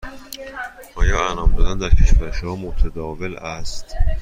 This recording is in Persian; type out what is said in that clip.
آیا انعام دادن در کشور شما متداول است؟